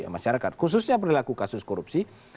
masyarakat khususnya perilaku kasus korupsi